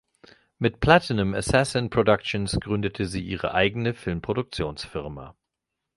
Mit "Platinum Assassin Productions" gründete sie ihre eigene Filmproduktionsfirma.